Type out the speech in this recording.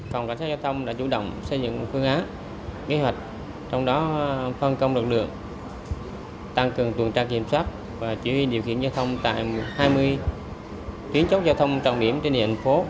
phòng cảnh sát giao thông đã chủ động xây dựng phương án kế hoạch trong đó phân công lực lượng tăng cường tuần tra kiểm soát và chỉ huy điều khiển giao thông tại hai mươi tuyến chốt giao thông trọng điểm trên địa bàn phố